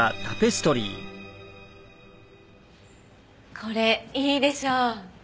これいいでしょ？